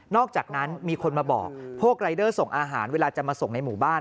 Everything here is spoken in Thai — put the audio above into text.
อกจากนั้นมีคนมาบอกพวกรายเดอร์ส่งอาหารเวลาจะมาส่งในหมู่บ้าน